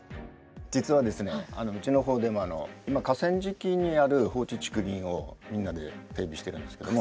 実はですねうちの方でも今河川敷にある放置竹林をみんなで整備してるんですけども。